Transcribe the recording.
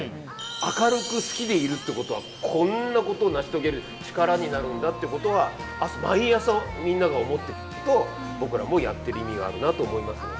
明るく好きでいるってことはこんなことを成し遂げる力になるんだってことは毎朝みんなが思ってくれると僕らもやってる意味があるなと思いますよね。